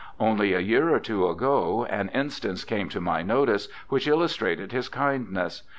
Only a year or two ago an instance came to my notice which illustrated his kindness.